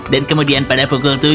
dan kemudian pada pukul tujuh